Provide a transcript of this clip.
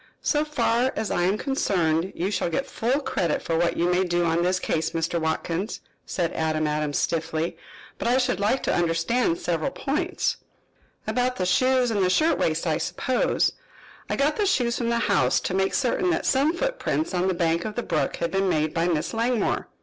"So far as I am concerned you shall get full credit for what you may do on this case, Mr. Watkins," said Adam Adams stiffly. "But I should like to understand several points." "About the shoes and the shirtwaist, I suppose. I got the shoes from the house to make certain that some footprints on the bank of the brook had been made by Miss Langmore."